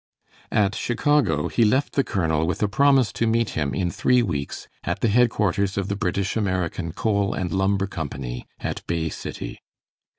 At Chicago he left the colonel with a promise to meet him in three weeks at the headquarters of the British American Coal and Lumber Company at Bay City.